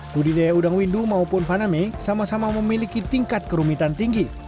budidaya udang windu maupun faname sama sama memiliki tingkat kerumitan tinggi